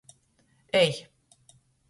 Ej!